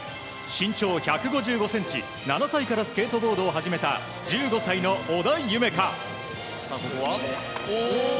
身長１５５ｃｍ７歳からスケートボードを始めた１５歳の織田夢海。